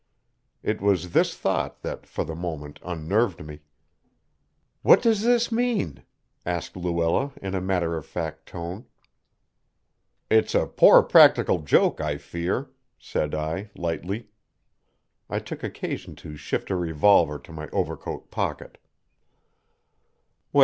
It was this thought that, for the moment, unnerved me. "What does this mean?" asked Luella in a matter of fact tone. "It is a poor practical joke, I fear," said I lightly. I took occasion to shift a revolver to my overcoat pocket.